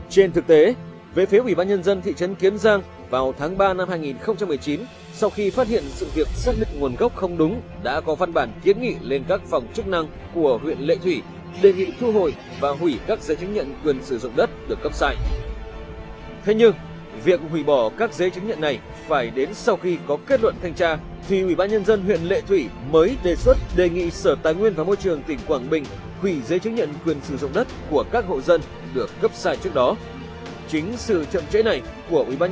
cụ thể quỹ ban nhân dân thị trấn kiến giang chi nhánh văn phòng đăng ký đất đai phòng tàng nguyên và môi trường trong quá trình tiếp nhận hồ sơ đề nghị cấp giấy chứng nhận quyền sử dụng đất và các hồ sơ tài liệu có liên quan